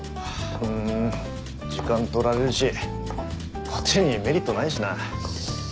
うん時間取られるしこっちにメリットないしな。